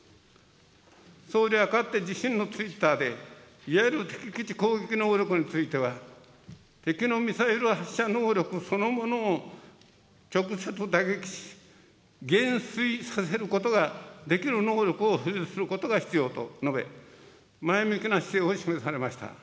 総理はかつて自身のツイッターで、いわゆる敵基地攻撃能力については、敵のミサイル発射能力そのものを直接打撃し、減衰させることができる能力を保有することが必要と述べ、前向きな姿勢を示されました。